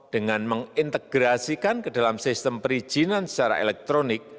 dengan mengintegrasikan ke dalam sistem perizinan secara elektronik